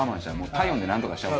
体温でなんとかしちゃう。